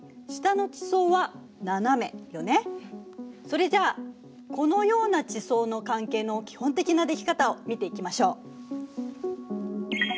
それじゃあこのような地層の関係の基本的なでき方を見ていきましょう。